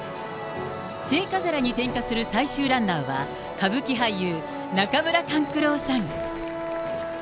聖火皿に点火する最終ランナーは、歌舞伎俳優、中村勘九郎さん。